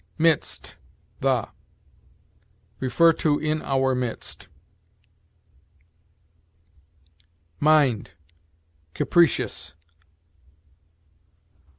MIDST, THE. See IN OUR MIDST. MIND CAPRICIOUS.